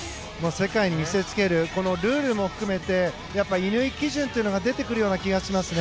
世界に見せつけるルールも含めて乾基準というのが出てくる気がしますね。